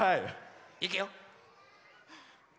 いくよ！